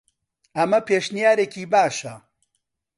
ئەمە پێشنیارێکی باشە.